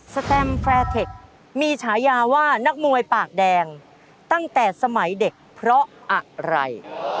แตมแฟร์เทคมีฉายาว่านักมวยปากแดงตั้งแต่สมัยเด็กเพราะอะไร